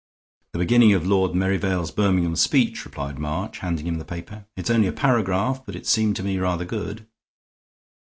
"The beginning of Lord Merivale's Birmingham speech," replied March, handing him the paper. "It's only a paragraph, but it seems to me rather good."